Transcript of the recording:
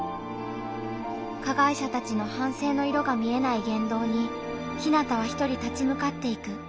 加害者たちの反省の色が見えない言動にひなたは一人立ちむかっていく。